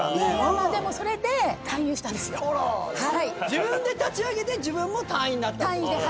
自分で立ち上げて自分も隊員になったってこと。